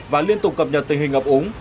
và liên tục cập nhật tình hình ngập úng